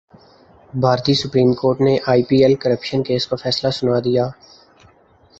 بھارتی supreme court نے I P L corruption case کا فیصلہ سنادیا